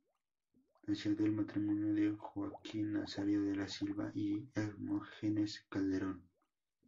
Nació del matrimonio de Joaquín Nazario de la Silva y Hermógenes Calderón.